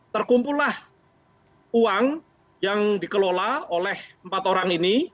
terkumpullah uang yang dikelola oleh empat orang ini